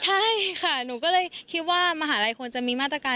ใช่ค่ะหนูก็เลยคิดว่ามหาลัยควรจะมีมาตรการ